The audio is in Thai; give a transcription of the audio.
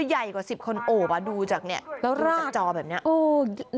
มันจะใหญ่กว่า๑๐คนโอบดูจากจอแบบนี้